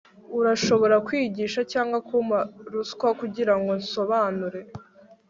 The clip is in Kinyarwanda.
Urashobora kwigisha cyangwa kumpa ruswa kugirango nsobanure